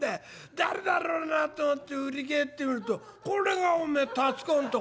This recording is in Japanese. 誰だろうなと思って振り返ってみるとこれがおめえたつ公んと